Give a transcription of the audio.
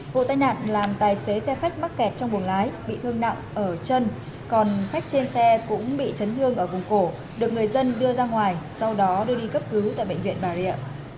vụ tai nạn làm tài xế xe khách mắc kẹt trong buồng lái bị thương nặng ở chân còn khách trên xe cũng bị chấn thương ở vùng cổ được người dân đưa ra ngoài sau đó đưa đi cấp cứu tại bệnh viện bà rịa